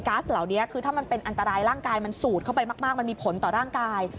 เหล่านี้คือถ้ามันเป็นอันตรายร่างกายมันสูดเข้าไปมากมันมีผลต่อร่างกาย